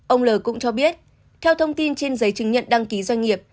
ông l cũng cho biết theo thông tin trên giấy chứng nhận đăng ký doanh nghiệp